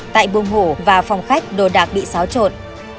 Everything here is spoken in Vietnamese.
tại buồng hồ và phòng khách đồ đạc bị xáo trộn